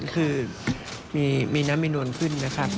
คือมีน้ำมีนวลขึ้นนะครับ